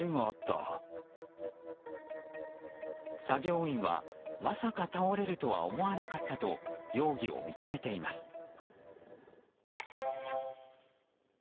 作業員はまさか倒れるとは思わなかったと容疑を認めています。